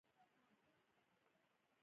دې کار د اصلاح لامل شو.